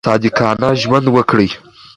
صادقانه ژوند وکړئ.